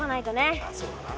ああそうだな。